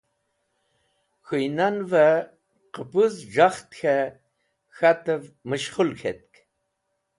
K̃hũy nanvẽ qẽpuz jẽkhet k̃hẽ k̃hatẽv meshkhul k̃hetk.